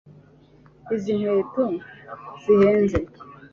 Izi nkweto zihenze